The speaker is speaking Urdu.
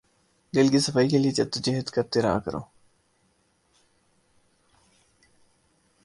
دل کی صفائی کے لیے جد و جہد کرتے رہا کرو